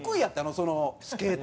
そのスケートは。